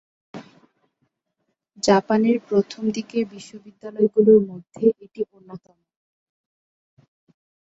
জাপানের প্রথম দিকের বিশ্ববিদ্যালয়গুলোর মধ্যে এটি অন্যতম।